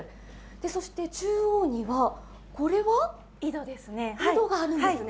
そして、中央にはこれは井戸があるんですね。